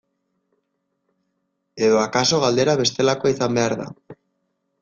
Edo akaso galdera bestelakoa izan behar da.